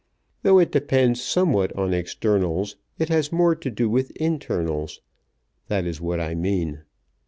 "Though it depends somewhat on externals, it has more to do with internals. That is what I mean.